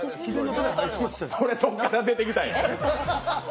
それ、どこから出てきたんや！